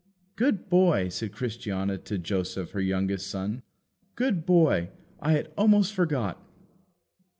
"Good boy!" said Christiana to Joseph her youngest son, "Good boy! I had almost forgot!"